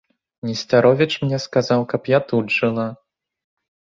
Несцяровіч мне сказаў, каб я тут жыла.